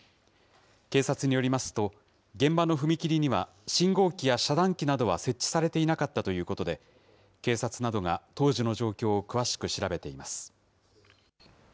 警察によりますと、現場の踏切には、信号機や遮断機などは設置されていなかったということで、警察などが当時の状況を詳しく調べています。